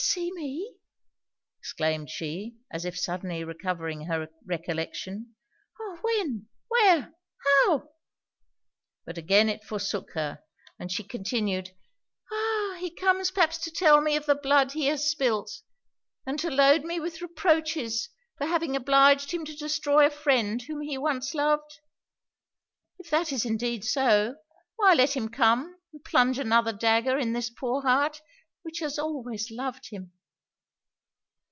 'To see me!' exclaimed she, as if suddenly recovering her recollection 'Oh! when? where? how?' But again it forsook her; and she continued 'Ah! he comes perhaps to tell me of the blood he has spilt, and to load me with reproaches for having obliged him to destroy a friend whom he once loved. If that is indeed so, why let him come and plunge another dagger in this poor heart, which has always loved him!'